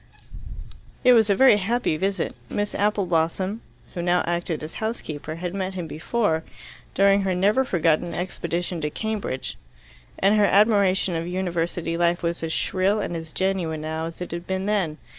It was a very happy visit. Miss Appleblosssom who now acted as housekeeper had met him before, during her never forgotten expedition to Cambridge, and her admiration of University life was as shrill and as genuine now as it had been then.